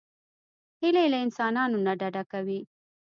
هیلۍ له انسانانو نه ډډه کوي